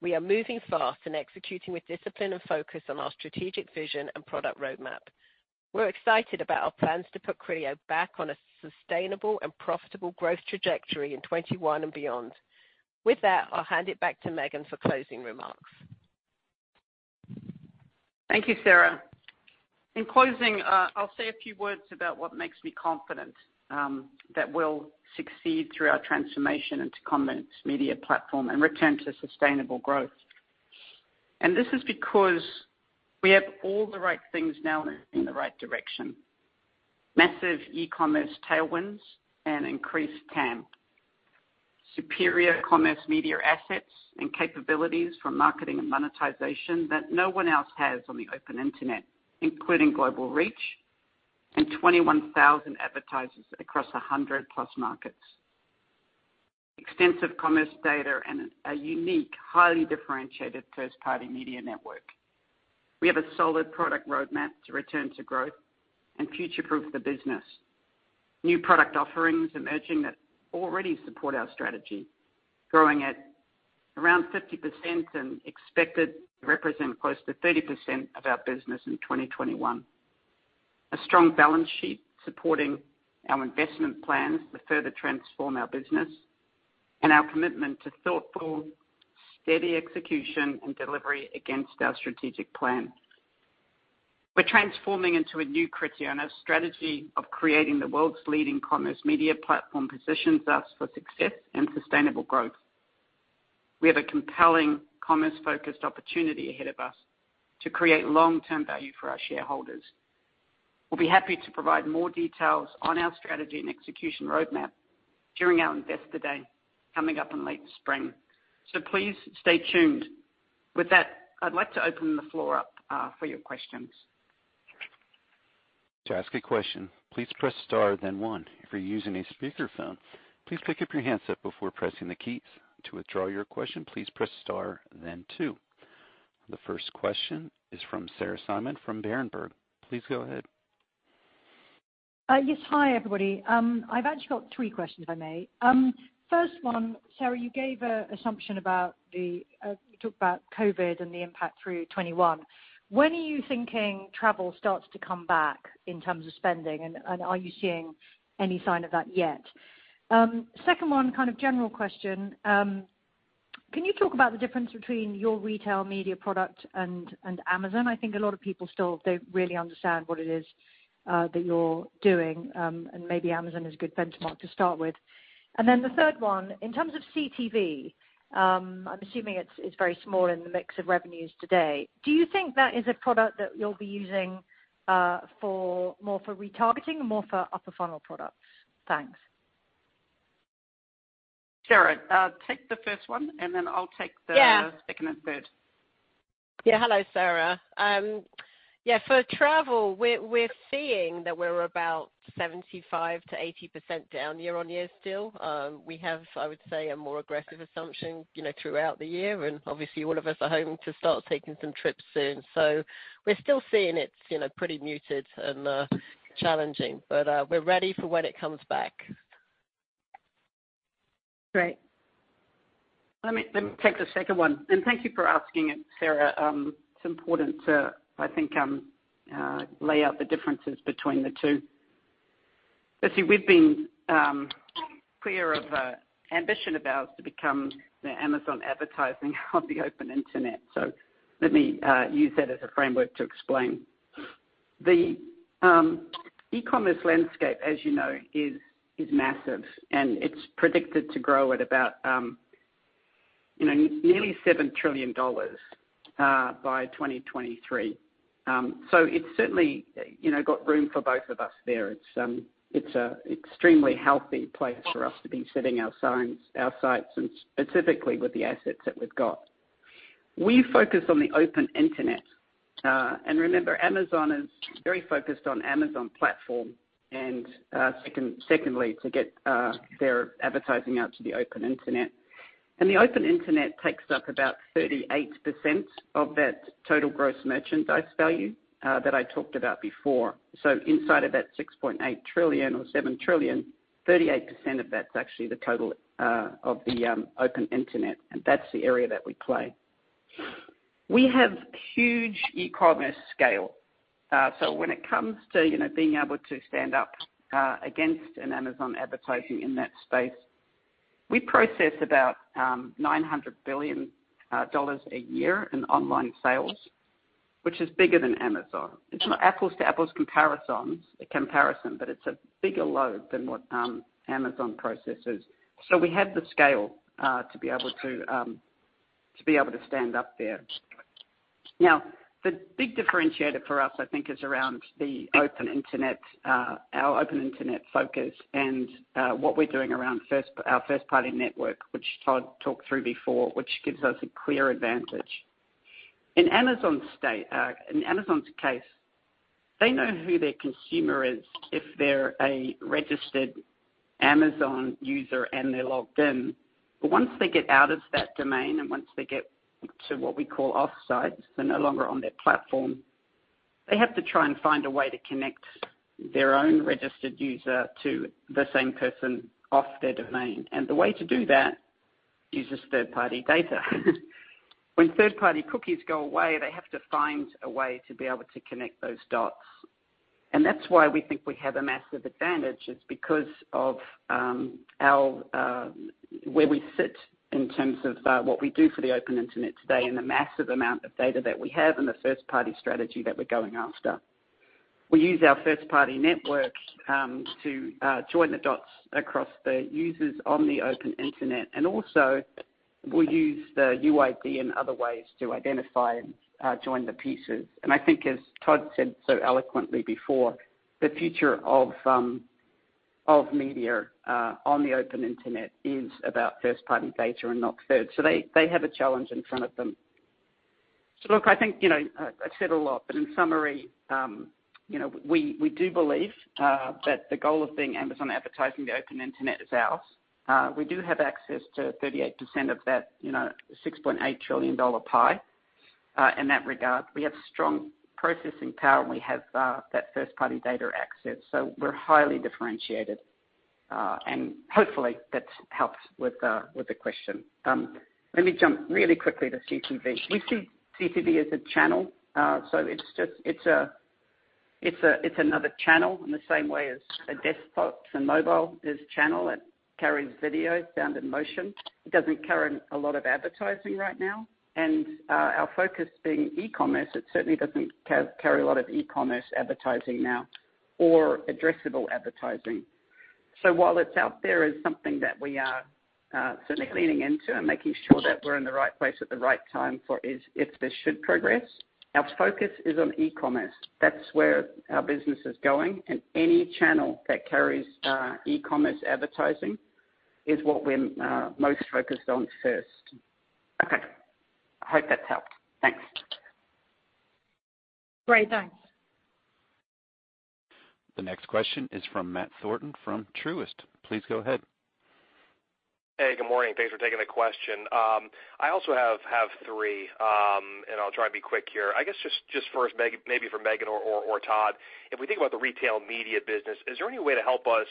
We are moving fast and executing with discipline and focus on our strategic vision and product roadmap. We're excited about our plans to put Criteo back on a sustainable and profitable growth trajectory in 2021 and beyond. With that, I'll hand it back to Megan for closing remarks. Thank you, Sarah. In closing, I'll say a few words about what makes me confident that we'll succeed through our transformation into Commerce Media Platform and return to sustainable growth. This is because we have all the right things now in the right direction: massive e-commerce tailwinds and increased TAM, superior commerce media assets and capabilities for marketing and monetization that no one else has on the open internet, including global reach and 21,000 advertisers across 100+ markets, extensive commerce data, and a unique, highly differentiated first-party media network. We have a solid product roadmap to return to growth and future-proof the business, new product offerings emerging that already support our strategy, growing at around 50% and expected to represent close to 30% of our business in 2021, a strong balance sheet supporting our investment plans to further transform our business, and our commitment to thoughtful, steady execution and delivery against our strategic plan. We are transforming into a new Criteo, and our strategy of creating the world's leading Commerce Media Platform positions us for success and sustainable growth. We have a compelling commerce-focused opportunity ahead of us to create long-term value for our shareholders. We'll be happy to provide more details on our strategy and execution roadmap during our Investor Day coming up in late spring. Please stay tuned. With that, I'd like to open the floor up for your questions. To ask a question, please press star, then one. If you're using a speakerphone, please pick up your handset before pressing the keys. To withdraw your question, please press star, then two. The first question is from Sarah Simon from Berenberg. Please go ahead. Yes. Hi, everybody. I've actually got three questions, if I may. First one, Sarah, you gave an assumption about the—you talked about COVID and the impact through 2021. When are you thinking travel starts to come back in terms of spending, and are you seeing any sign of that yet? Second one, kind of general question. Can you talk about the difference between your retail media product and Amazon? I think a lot of people still do not really understand what it is that you are doing, and maybe Amazon is a good benchmark to start with. The third one, in terms of CTV, I am assuming it is very small in the mix of revenues today. Do you think that is a product that you will be using more for retargeting and more for upper-funnel products? Thanks. Sarah, take the first one, and then I will take the second and third. Yeah. Hello, Sarah. Yeah. For travel, we are seeing that we are about 75%-80% down year-on-year still. We have, I would say, a more aggressive assumption throughout the year, and obviously, all of us are hoping to start taking some trips soon. We're still seeing it's pretty muted and challenging, but we're ready for when it comes back. Great. Let me take the second one. Thank you for asking it, Sarah. It's important to, I think, lay out the differences between the two. Obviously, we've been clear of the ambition of ours to become the Amazon advertising of the open internet. Let me use that as a framework to explain. The e-commerce landscape, as you know, is massive, and it's predicted to grow at about nearly $7 trillion by 2023. It's certainly got room for both of us there. It's an extremely healthy place for us to be setting our sites and specifically with the assets that we've got. We focus on the open internet. Remember, Amazon is very focused on the Amazon platform and, secondly, to get their advertising out to the open internet. The open internet takes up about 38% of that total gross merchandise value that I talked about before. Inside of that $6.8 trillion or $7 trillion, 38% of that is actually the total of the open internet, and that is the area that we play. We have huge e-commerce scale. When it comes to being able to stand up against an Amazon advertising in that space, we process about $900 billion a year in online sales, which is bigger than Amazon. It is not an apples-to-apples comparison, but it is a bigger load than what Amazon processes. We have the scale to be able to stand up there. The big differentiator for us, I think, is around the open internet, our open internet focus, and what we are doing around our first-party network, which Todd talked through before, which gives us a clear advantage. In Amazon's case, they know who their consumer is if they're a registered Amazon user and they're logged in. Once they get out of that domain and once they get to what we call off-site, so no longer on their platform, they have to try and find a way to connect their own registered user to the same person off their domain. The way to do that uses third-party data. When third-party cookies go away, they have to find a way to be able to connect those dots. That is why we think we have a massive advantage is because of where we sit in terms of what we do for the open internet today and the massive amount of data that we have and the first-party strategy that we're going after. We use our first-party network to join the dots across the users on the open internet, and also, we'll use the UID and other ways to identify and join the pieces. I think, as Todd said so eloquently before, the future of media on the open internet is about first-party data and not third. They have a challenge in front of them. I think I've said a lot, but in summary, we do believe that the goal of being Amazon advertising the open internet is ours. We do have access to 38% of that $6.8 trillion pie in that regard. We have strong processing power, and we have that first-party data access. We're highly differentiated. Hopefully, that helps with the question. Let me jump really quickly to CTV. We see CTV as a channel. It is another channel in the same way as a desktop and mobile is a channel that carries video found in motion. It does not carry a lot of advertising right now. Our focus being e-commerce, it certainly does not carry a lot of e-commerce advertising now or addressable advertising. While it is out there as something that we are certainly leaning into and making sure that we are in the right place at the right time for if this should progress, our focus is on e-commerce. That is where our business is going. Any channel that carries e-commerce advertising is what we are most focused on first. Okay. I hope that has helped. Thanks. Great. Thanks. The next question is from Matt Thornton from Truist. Please go ahead. Hey. Good morning. Thanks for taking the question. I also have three, and I will try and be quick here. I guess just first, maybe for Megan or Todd, if we think about the retail media business, is there any way to help us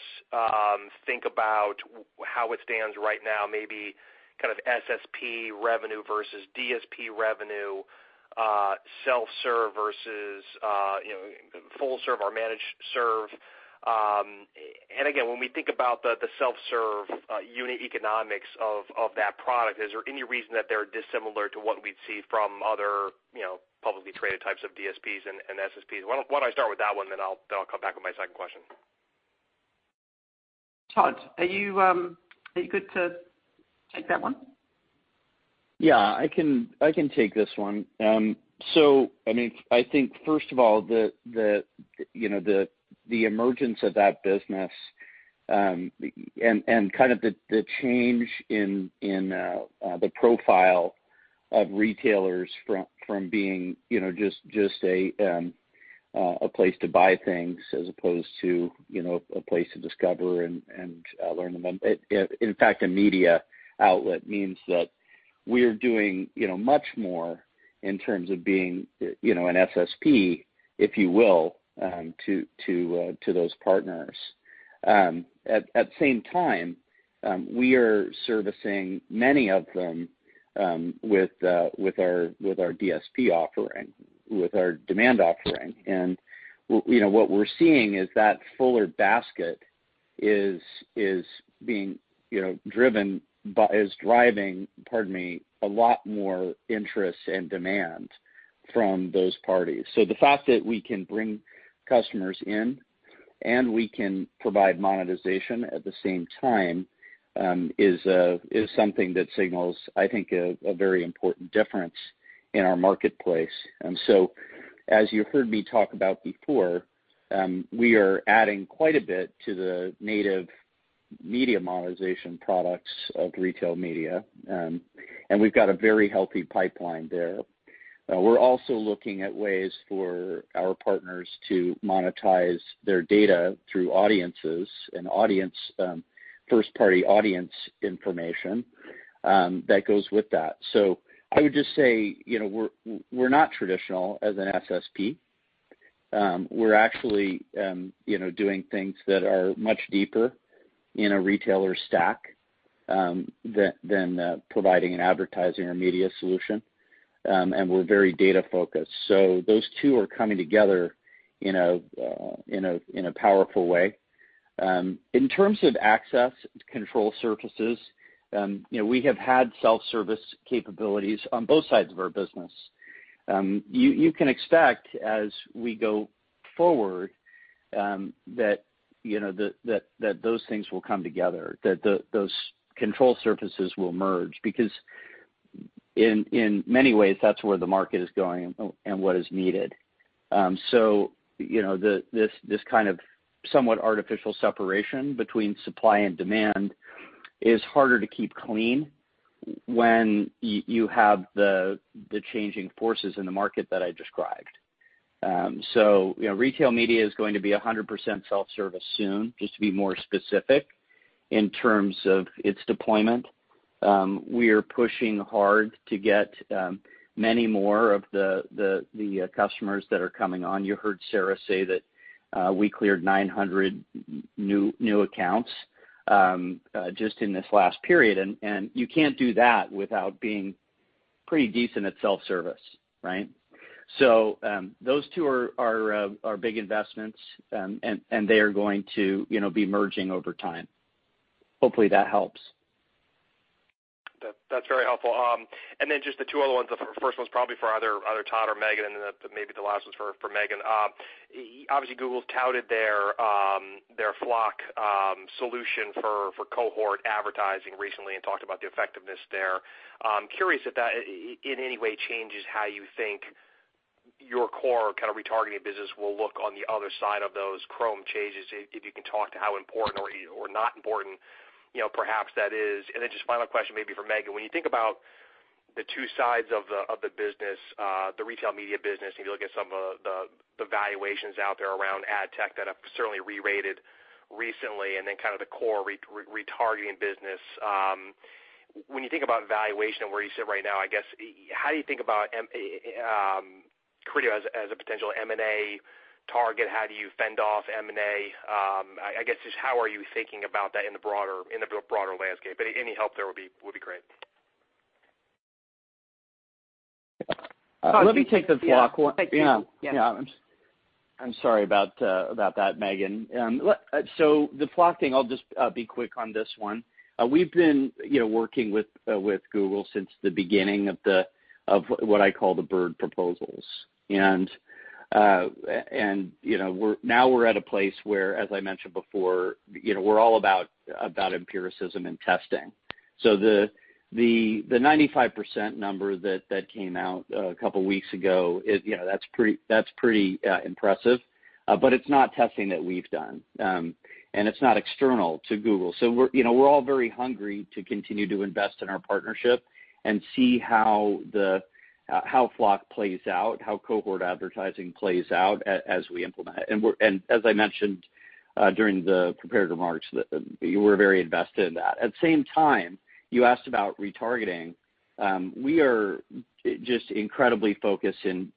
think about how it stands right now, maybe kind of SSP revenue versus DSP revenue, self-serve versus full serve, or managed serve? Again, when we think about the self-serve unit economics of that product, is there any reason that they're dissimilar to what we'd see from other publicly traded types of DSPs and SSPs? Why don't I start with that one, then I'll come back with my second question? Todd, are you good to take that one? Yeah. I can take this one. I mean, I think, first of all, the emergence of that business and kind of the change in the profile of retailers from being just a place to buy things as opposed to a place to discover and learn about, in fact, a media outlet means that we're doing much more in terms of being an SSP, if you will, to those partners. At the same time, we are servicing many of them with our DSP offering, with our demand offering. What we're seeing is that fuller basket is driving, pardon me, a lot more interest and demand from those parties. The fact that we can bring customers in and we can provide monetization at the same time is something that signals, I think, a very important difference in our marketplace. As you heard me talk about before, we are adding quite a bit to the native media monetization products of retail media, and we've got a very healthy pipeline there. We're also looking at ways for our partners to monetize their data through audiences and first-party audience information that goes with that. I would just say we're not traditional as an SSP. We're actually doing things that are much deeper in a retailer stack than providing an advertising or media solution, and we're very data-focused. Those two are coming together in a powerful way. In terms of access control surfaces, we have had self-service capabilities on both sides of our business. You can expect, as we go forward, that those things will come together, that those control surfaces will merge because, in many ways, that's where the market is going and what is needed. This kind of somewhat artificial separation between supply and demand is harder to keep clean when you have the changing forces in the market that I described. Retail media is going to be 100% self-service soon, just to be more specific in terms of its deployment. We are pushing hard to get many more of the customers that are coming on. You heard Sarah say that we cleared 900 new accounts just in this last period. You can't do that without being pretty decent at self-service, right? Those two are big investments, and they are going to be merging over time. Hopefully, that helps. That's very helpful. Then just the two other ones, the first one's probably for either Todd or Megan, and maybe the last one's for Megan. Obviously, Google's touted their FLoC solution for cohort advertising recently and talked about the effectiveness there. I'm curious if that, in any way, changes how you think your core kind of retargeting business will look on the other side of those Chrome changes, if you can talk to how important or not important perhaps that is. Just final question, maybe for Megan. When you think about the two sides of the business, the retail media business, and you look at some of the valuations out there around ad tech that have certainly re-rated recently and then kind of the core retargeting business, when you think about valuation and where you sit right now, I guess, how do you think about Criteo as a potential M&A target? How do you fend off M&A? I guess just how are you thinking about that in the broader landscape? Any help there would be great. Let me take the FLoC one. Yeah. I'm sorry about that, Megan. The FLoC thing, I'll just be quick on this one. We've been working with Google since the beginning of what I call the bird proposals. Now we're at a place where, as I mentioned before, we're all about empiricism and testing. The 95% number that came out a couple of weeks ago, that's pretty impressive. It's not testing that we've done, and it's not external to Google. We're all very hungry to continue to invest in our partnership and see how FLoC plays out, how cohort advertising plays out as we implement it. As I mentioned during the prepared remarks, we're very invested in that. At the same time, you asked about retargeting. We are just incredibly focused in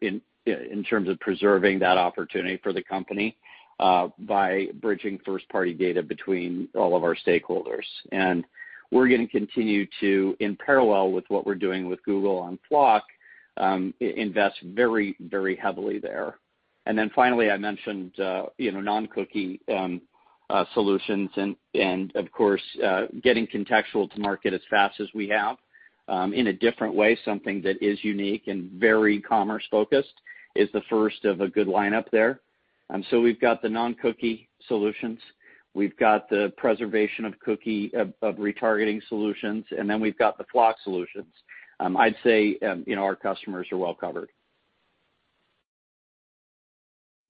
terms of preserving that opportunity for the company by bridging first-party data between all of our stakeholders. We're going to continue to, in parallel with what we're doing with Google on FLoC, invest very, very heavily there. Finally, I mentioned non-cookie solutions. Of course, getting contextual to market as fast as we have in a different way, something that is unique and very commerce-focused, is the first of a good lineup there. We have the non-cookie solutions, we have the preservation of retargeting solutions, and then we have the FLoC solutions. I'd say our customers are well covered.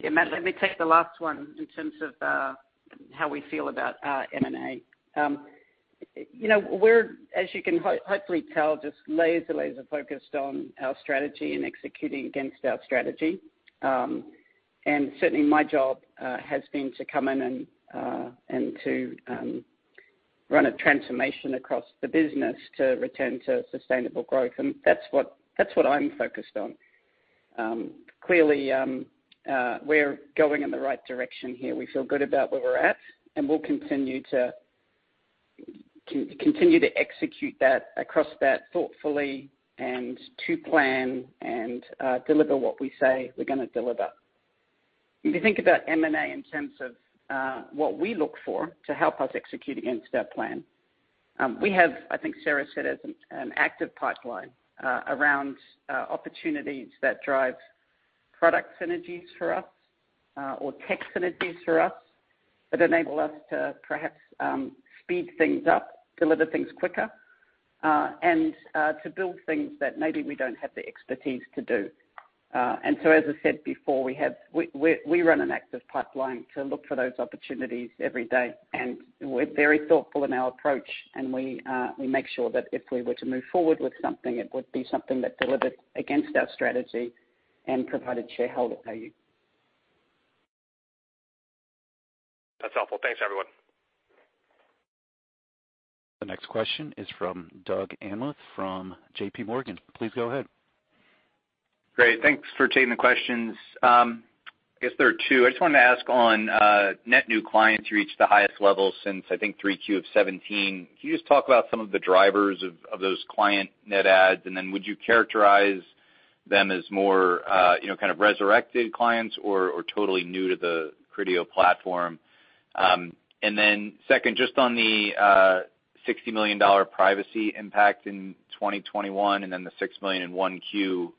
Yeah. Matt, let me take the last one in terms of how we feel about M&A. We're, as you can hopefully tell, just laser, laser focused on our strategy and executing against our strategy. Certainly, my job has been to come in and to run a transformation across the business to return to sustainable growth. That is what I'm focused on. Clearly, we're going in the right direction here. We feel good about where we're at, and we'll continue to execute that thoughtfully and to plan and deliver what we say we're going to deliver. If you think about M&A in terms of what we look for to help us execute against that plan, we have, I think Sarah said, an active pipeline around opportunities that drive product synergies for us or tech synergies for us that enable us to perhaps speed things up, deliver things quicker, and to build things that maybe we don't have the expertise to do. As I said before, we run an active pipeline to look for those opportunities every day. We are very thoughtful in our approach, and we make sure that if we were to move forward with something, it would be something that delivers against our strategy and provides shareholder value. That's helpful. Thanks, everyone. The next question is from Doug Anmuth from JPMorgan. Please go ahead. Great. Thanks for taking the questions. I guess there are two. I just wanted to ask on net new clients who reached the highest level since, I think, Q3 of 2017. Can you just talk about some of the drivers of those client net adds? And then would you characterize them as more kind of resurrected clients or totally new to the Criteo platform? And then second, just on the $60 million privacy impact in 2021 and then the $6 million in 1Q,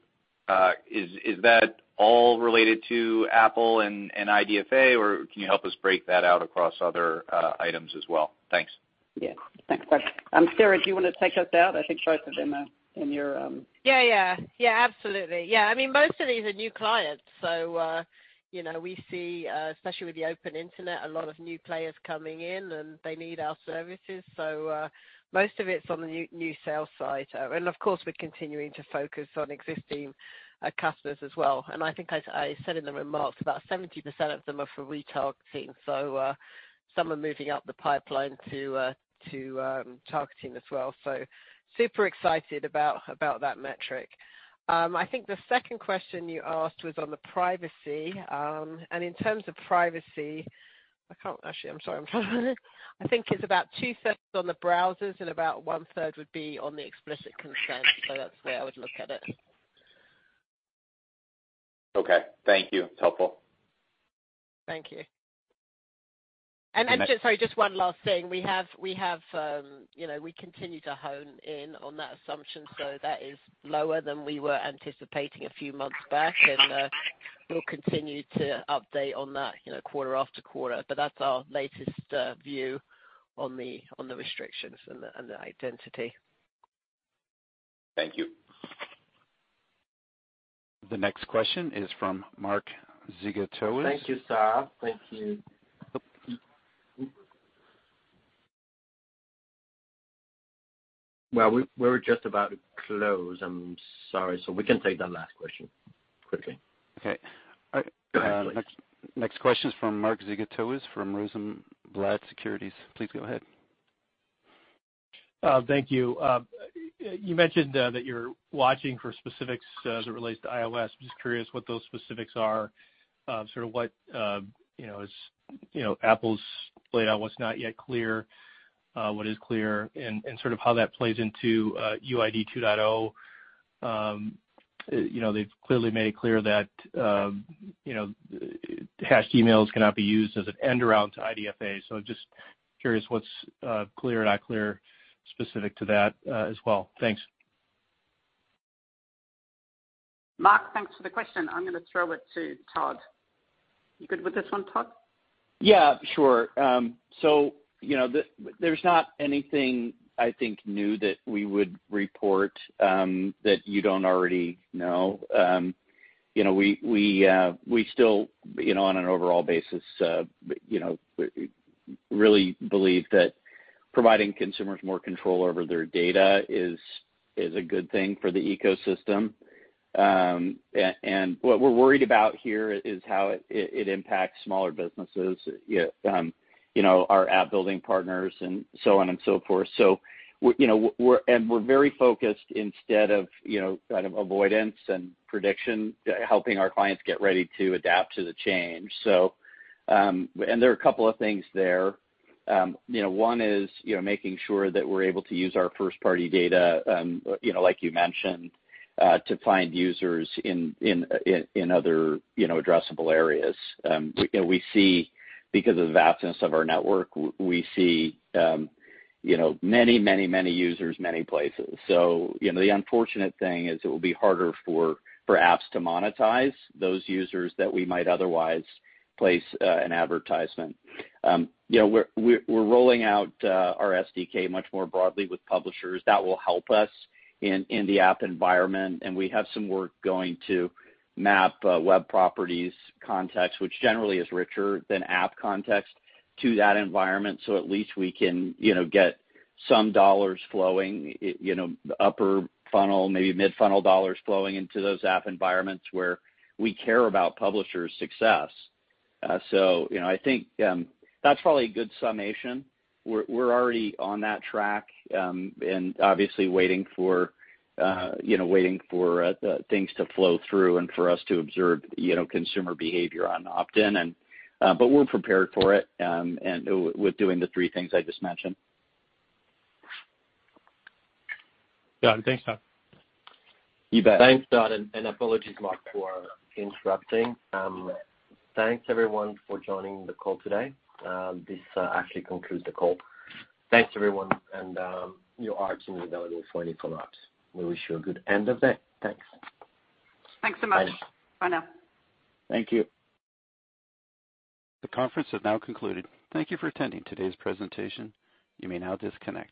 is that all related to Apple and IDFA, or can you help us break that out across other items as well? Thanks. Yeah. Thanks, Doug. Sarah, do you want to take us out? I think both of them are in your. Yeah. Yeah. Yeah. Absolutely. I mean, most of these are new clients. We see, especially with the open internet, a lot of new players coming in, and they need our services. Most of it's on the new sales site. Of course, we're continuing to focus on existing customers as well. I think I said in the remarks about 70% of them are for retail team. Some are moving up the pipeline to targeting as well. Super excited about that metric. I think the second question you asked was on the privacy. In terms of privacy, I can't actually—I'm sorry. I'm trying to find it. I think it's about two-thirds on the browsers and about one-third would be on the explicit consent. That's the way I would look at it. Okay. Thank you. It's helpful. Thank you. Sorry, just one last thing. We continue to hone in on that assumption. That is lower than we were anticipating a few months back. We will continue to update on that quarter after quarter. That's our latest view on the restrictions and the identity. Thank you. The next question is from Mark Zgutowicz. Thank you, Sir. Thank you. We're just about to close. I'm sorry. We can take that last question quickly. Next question is from Mark Zgutowicz from Rosenblatt Securities. Please go ahead. Thank you. You mentioned that you're watching for specifics as it relates to iOS. I'm just curious what those specifics are, sort of what Apple's laid out, what's not yet clear, what is clear, and sort of how that plays into UID 2.0. They've clearly made it clear that hashed emails cannot be used as an end-around to IDFA. Just curious what's clear or not clear specific to that as well. Thanks. Mark, thanks for the question. I'm going to throw it to Todd. You good with this one, Todd? Yeah. Sure. There's not anything, I think, new that we would report that you don't already know. We still, on an overall basis, really believe that providing consumers more control over their data is a good thing for the ecosystem. What we are worried about here is how it impacts smaller businesses, our app-building partners, and so on and so forth. We are very focused instead of kind of avoidance and prediction, helping our clients get ready to adapt to the change. There are a couple of things there. One is making sure that we are able to use our first-party data, like you mentioned, to find users in other addressable areas. We see, because of the vastness of our network, we see many, many, many users many places. The unfortunate thing is it will be harder for apps to monetize those users that we might otherwise place an advertisement. We are rolling out our SDK much more broadly with publishers. That will help us in the app environment. We have some work going to map web properties context, which generally is richer than app context, to that environment so at least we can get some dollars flowing, upper funnel, maybe mid-funnel dollars flowing into those app environments where we care about publishers' success. I think that's probably a good summation. We're already on that track and obviously waiting for things to flow through and for us to observe consumer behavior on Opt-in. We're prepared for it with doing the three things I just mentioned. Got it. Thanks, Todd. You bet. Thanks, Todd. Apologies, Mark, for interrupting. Thanks, everyone, for joining the call today. This actually concludes the call. Thanks, everyone. We'll be available for any follow-ups. We wish you a good end of day. Thanks. Thanks so much. Bye now. Thank you. The conference has now concluded. Thank you for attending today's presentation. You may now disconnect.